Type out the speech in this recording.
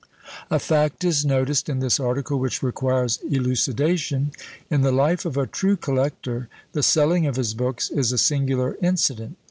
A fact is noticed in this article which requires elucidation. In the life of a true collector, the selling of his books is a singular incident.